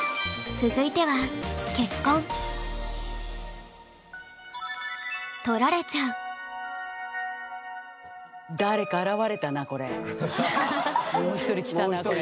続いてはもう一人来たなこれ。